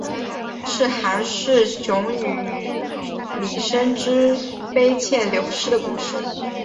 是寒士韩翃与李生之婢妾柳氏的故事。